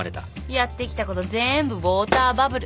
やってきたことぜーんぶウオーターバブル。